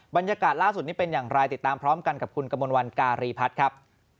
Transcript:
บรรยากาศล่าสุดนี้เป็นอย่างไรติดตามพร้อมกันกับคุณกมลวันการีพัฒน์ครับ